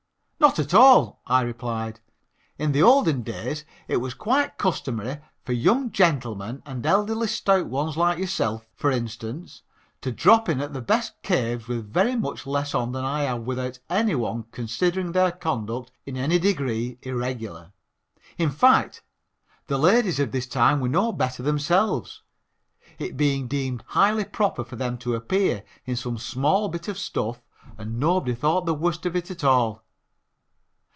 "Not at all," I replied, "in the olden days it was quite customary for young gentlemen and elderly stout ones like yourself, for instance, to drop in at the best caves with very much less on than I have without any one considering their conduct in any degree irregular. In fact, the ladies of this time were no better themselves, it being deemed highly proper for them to appear in some small bit of stuff and nobody thought the worst of it at all.